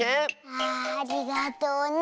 ああありがとうね。